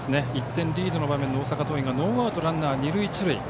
１点リードの場面で大阪桐蔭がノーアウトランナー、二塁一塁。